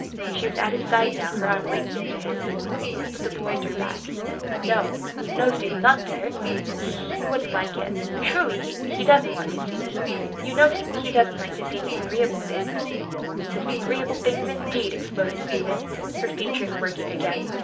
She was at his side now, her arm linked into his. But the boy drew back. "No, no, Susan, not there. He he wouldn't like it. Truly, he he doesn't want to see me. You know he he doesn't like to see disagreeable things." "'Disagreeable things,' indeed!" exploded Susan, her features working again.